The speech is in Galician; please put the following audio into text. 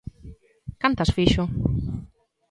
¿Cantas fixo?